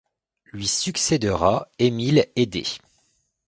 Lui succédera Émile Eddé.